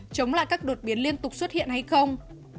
chống lại các đột biến liên tục xuất hiện hay không